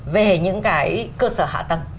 về những cái cơ sở hạ tầng